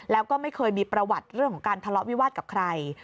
แล้วก็ไม่เคยมีประวัติเรื่องของการทะเลาะวิวาสกับใคร